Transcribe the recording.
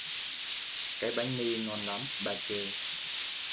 Cái bánh ni ngon lắm, ba chê